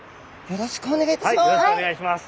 よろしくお願いします。